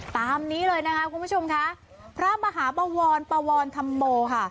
ตามนี้เลยนะค่ะคุณผู้ชมคะพระมหาปะวรบะวรษัมโบค่ะ